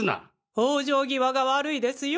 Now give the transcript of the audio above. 往生際が悪いですよ！